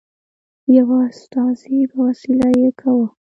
یوه استازي په وسیله یې کاوه.